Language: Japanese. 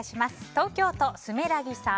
東京都の方。